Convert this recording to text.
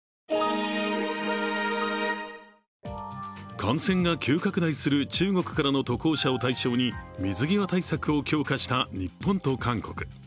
感染が急拡大する中国からの渡航者を対象に水際対策を強化した日本と韓国。